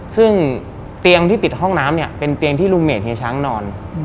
ซึ่งเตียงที่ติดห้องน้ำเนี่ยเป็นเตียงที่ลุงเมดเฮียช้างนอน